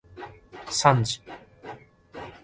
さんじ